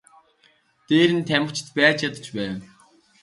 Дээр нь тамхичид байж ядаж байв.